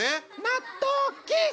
納豆キス！